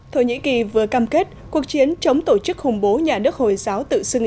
thổ nhĩ kỳ vừa cam kết cuộc chiến chống tổ chức khủng bố nhà nước hồi giáo tự xưng